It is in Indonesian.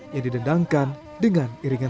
yang didendangkan dengan iringat